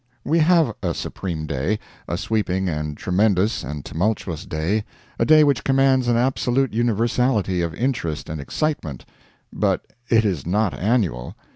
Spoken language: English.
We have a supreme day a sweeping and tremendous and tumultuous day, a day which commands an absolute universality of interest and excitement; but it is not annual.